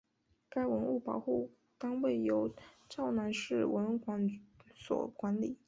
该文物保护单位由洮南市文管所管理。